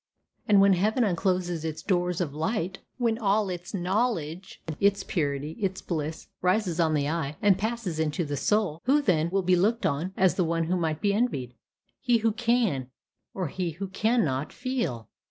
And when heaven uncloses its doors of light, when all its knowledge, its purity, its bliss, rises on the eye and passes into the soul, who then will be looked on as the one who might be envied he who can, or he who cannot feel?